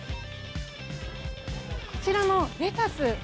こちらのレタス